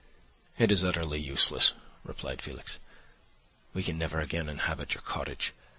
"'It is utterly useless,' replied Felix; 'we can never again inhabit your cottage.